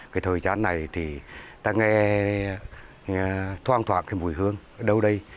cái thời gian này thì ta nghe thoang thoạt cái mùi hương ở đâu đây